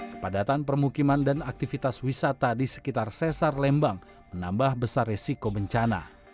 kepadatan permukiman dan aktivitas wisata di sekitar sesar lembang menambah besar resiko bencana